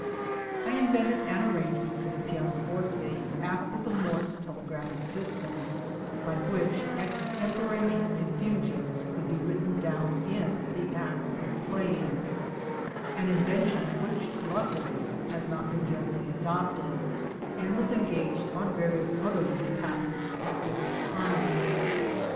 I invented an arrangement for the pianoforte after the Morse telegraphic system, by which extemporaneous effusions could be written down in the act of playing an invention which luckily has not been generally adopted ; and was engaged on various other little patents at different times.